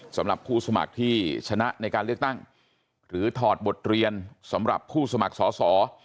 สำหรับผู้สมัครที่ชนะในการเลือกตั้งหรือถอดบทเรียนสำหรับผู้สมัครสอสอ